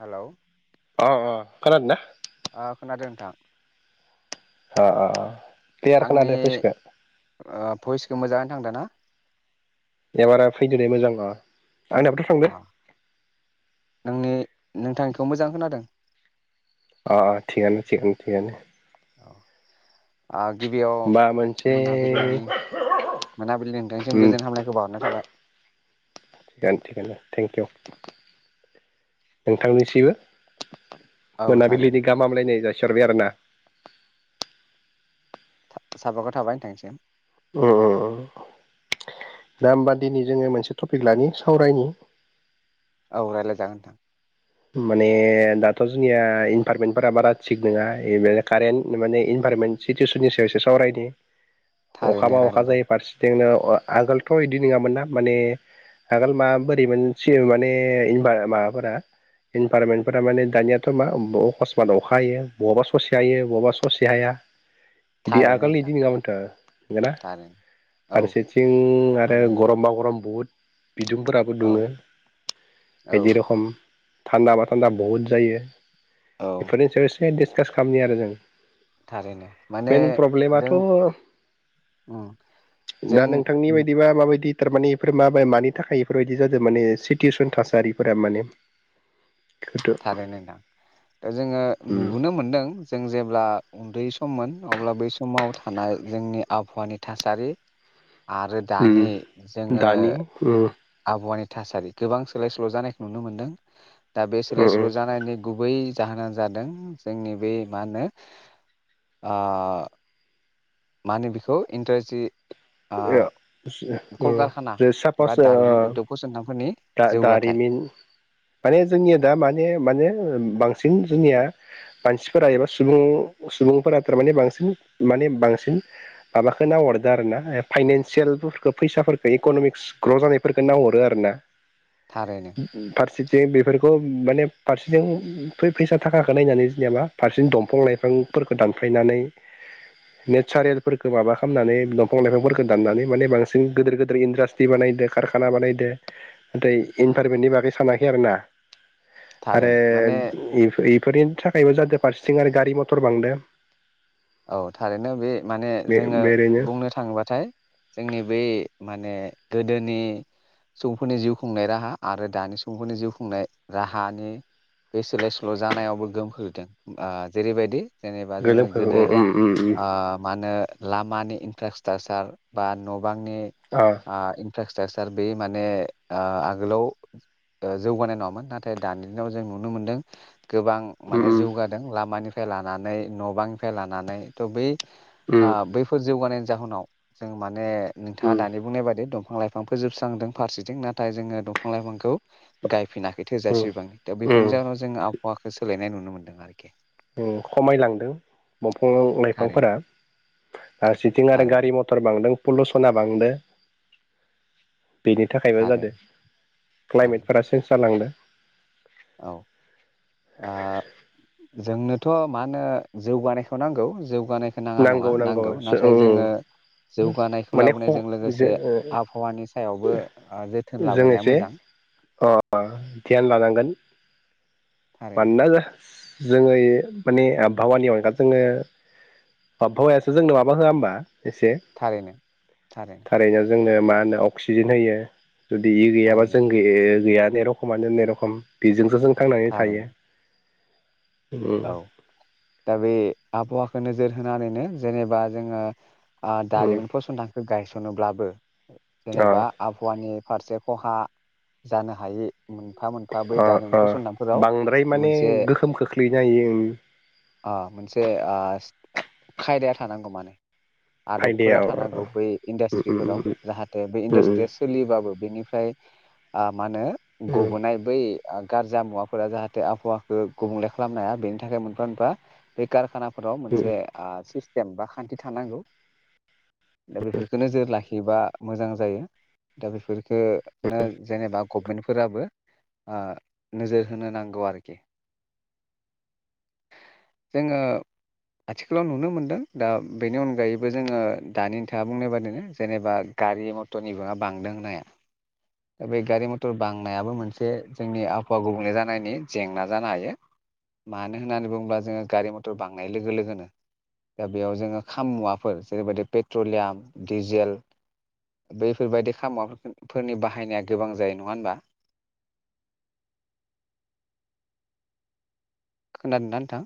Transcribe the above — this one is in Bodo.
हेलौ अ अ खोनादोंना ओ खोनादों नोंथां अ अ क्लियार आंनि खोनादो भइसखौ ओ भइसखौ मोजां खोनादोंना एबारा फैदो दे मोजां ओ अ नोंनि नोंथांनिखौ मोजां खोनादों अ अ अ थिगानो थिगानो थिगानो औ आ गिबियाव होमबा मोनसे मोनाबिलिनि मोनाबिलिनि नोंथांनिसिम उम गोजोन हामलनायखौ बाहरनाय थाबाय थिगानो थिगानो थेंक इउ नोंथांनिसिबो औ थारैनो मोनाबिलिनि गाहामलायनाय जा सिहरबाय आरोना साबायखर थाबाय नोंथांनिसिम उ उ उ दा होमबा दिनै जोङो मोनसे टपिक लानि सावरायनि औ रायज्लायजागोन नोंथां माने दाथ' जोंनिया इनभारमेन्टफोरा बारा थिग नोङा कारेन्ट माने इनभाररमेन्ट सिटुवेसननि सायाव एसे सावरायनि थारैनो अखाबा अखा जायो रायज्लायजागोन फारसेथिंनो अ आगोलथ' इदि नङामोन ना माने आगोल माबोरैमोन माने इनबा माबाफोरा इनभारनमेन्ट फोर माने दानियाथ' मा अकसमात अखा हायो बहाबा ससे हायो बहाबा ससे हाया। बिदि थारैनो आगोलनि नोंथां बिदि नङामोनथ' नंगोना थारैनो औ फारसेथिं आरो माने गरमबा गरम बुहुद बिदुंफोराबो औ दुङो इदि औ रखम थान्दाबा थान्दा बहुद जायो औ बेफोरनि सायाव एसे दिसखास खामनि आरो जों थारैनो माने मेन प्रब्लेमाथ' जों उम जों दा नोंथांनि बायदिबा माबायदि। थारमाने इफोर माबे मानि थाखाय इफोरबायदि जादो माने सितुयेसन थासारिफोरा माने। गोदो थारैनो दां दा जोंङो उम नुबोनो मोनदों जों जेब्ला। उन्दै सममोन अब्ला बै समाव थानाय जोंनि आबहावानि थासारि। आरो दानि उम जोंङो। दानि उम आबहावानि थासारि गोबां सोलाय सोल' जानायखौ नुनो मोनदों। दा बे सोलाय उम सोल' जानायनि गुबै। जाहोना जादों जोंनि बे मा होनो ओ। माओनो बिखौ इन्टारेसि उम । ओ कलकारखाना सापस बा दारिमिन ओ उद्धब फसंथानफोरनि। दा जौगाथाय दारिमिन माने जोंनिया दा माने माने बांसिन जोंनिया मानसिफोरा एबा सुबुं सुबुंफोरा थारमाने बांसिन माने बांसिन माबाखो नाहरदो आरो ना फाइनेन्सियेलफोरखो फैसाफोरखो इक'न'मिक्स ग्र' जानायफोरखौ नाहरो आरो ना। थारैनो फारसेथिं बेफोरखौ माने फारसेथिं फै फैसा थाखाखो नायनानै जोनिया मा फारसेजों दंफां लाइफांफोरखौ दानफायनानै नेसारेलफोरखो माबा खालामनानै दंफां लाइफांफोरखो दाननानै माने बांसिन गोदोर गोदोर इन्ड्रासट्रि बानायदो कारखाना बानायदो। नाथाय इनभारमेन्टनि बागै सानाखै आरो ना। आरो थारैनो माने इफ इब। [unintelligible] थाखायबो जादो फारसेथिं आरो गारि मथर बांदो। औ थारैनो बे माने बे जोंङो ओरैनो बुंनो थाङोबाथाय जोंनि बै माने गोदोनि सुबुंफोरनि जिउ खुंनाय राहा आरो दानि सुबुंफोरनि जिउ खुंनाय राहानि बे सोलाय सोल' जानायावबो गोहोम खोलैदों ओ जेरैबायदि। जेनेबा जोंङो गोदो गोलोमखौ ओ मानो ओ लामानि इनथ्राकसतासार बा न बांनि ओ इनथ्राकस स्टाकसार बे माने ओ आगोलाव ओ जौगानाय नङामोन नाथाय दानि दिनाव जों नुनो मोनदों। गोबां माने जौगादों लामानि फाय लानानै न' बां फाय लानानै । नानै थ' बै ओ बैफोर जौगानाय जाहोनाव जों माने नोंथांङा दानि बुंनाय बादि दं। दंफां लाइफां फोजोबस्रांदों फारसेथिं नाथाय जोंङो दंफां लाइफांखौ गायफिना । बे थोजासिबां दा बेफोरनि जाउनाव जों आबहावाखौ सोलायनाय नुनो मोनदों आरोखि। ओम खमायलांदों। दंफां लाइफांफोरा थारैनो फारसेथिं आरो गारि थारैनो मटर बांदों फल'स'ना बांदो बेनि थाखायबो जादों थारैनो थारैनो क्लाइमेटफोरा चेन्ज जालांदों। औ ओ जोंनोथ' मा होनो जौगानायखौ नांगौ जौ गानायखौ नाङा नङा नांगौ नाथाय जोङो जौगानायखौ माने लाबोनायजों लोगोसे जों आबहावानि सायावबो ओ जोथोन लाबोनाया मोजां। ध्यान लानांगोन। थारैनो [unintelligible] जोङोइ माने आबहावानि अनगा जोङो अबहावायासो जोंनो माबा होआ होमबा? एसे थारैनो थारैनो थारै नो जोंनो मा होनो अक्सिजेन होयो जुदि इ गैयाबा थारैनो जों गै ओइ गैया । ए रखमानो ने रखम बेजोंसो जों थांनानै थायो । थारैनो औ दा बे आबहावाखौ नो जोर होना आरैनो जेनेबा जोङो आ दारिमिन फसंथान गायसनोब्लाबो अ जेनेबा आबहावानि फारसे खहा जानो हायि मोनफा मोनफा बै ओ दारिमिन ओ बांद्राय माने गोहोम खोख्लै आ मोनसे आस खायदाया थानांगौ माने । आदबफोरा फायदाया थानांगौ बै इन्डास्ट्रिफोराव जाहाथे बै इन्डास्ट्रिया सोलियोबाबो बेनिफ्राय आ मानो गुबुनाय बै आ गारजा मुवाफोरा जाहाथे आबहावाखौ गुबंले खालामनो हाया बेनि थाखाय मोनफा मोनफा बे काराना फोराव मोनसे आ सिस जेनेबा खानथि थानांगौ । दा बेफोरखो नोजोर लाखि एबा मोजां जायो दा बेफोर ओ नो जेनेबा गभमेन्टफोराबो ओ नोजोर होनो नांगौ आरोखि । जोङो आथिखालाव नुनो मोनदों दा बेनि अनगायैबो जोङो दानि नोंथाङा बुंनाय बादिनो जेनेबा गारि मटरनि बिङा बांदों होननाया दा बे गारि मटर बांनायाबो मोनसे जोंनि आबहावा गुबुंले जानायनि जेंना जानो हायो । मानो होननानै बुङोब्ला जोङो गारि मथर बांनाय लोगो लोगोनो दा बेयाव जोङो खामुवाफोर जेरैबायदि पेट्रलियाम डिजेल बैफोरबायदि खामुवा फोरनि बाहायनाया गोबां जायो, नङा होनबा? खोनादोंना नोंथां?